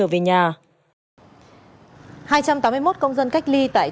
vĩnh phúc hai trăm tám mươi một công dân hoàn thành cách ly được trở về nhà